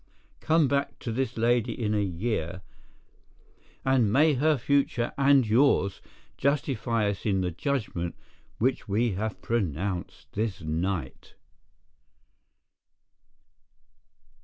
Come back to this lady in a year, and may her future and yours justify us in the judgment which we have pronounced this night!"